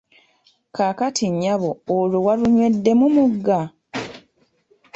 Kaakati nnyabo olwo walunywedde mu mugga?